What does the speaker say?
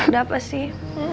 ada apa sih